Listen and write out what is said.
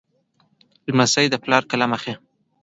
لمسی د پلار قلم اخلي.